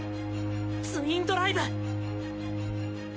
ツインドライブ！